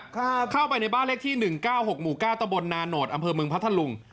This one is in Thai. ครับเข้าไปในบ้านเลขที่๑๙๖หมู่๙ตำบลนานโนทอำเภอเมืองพัทธลุง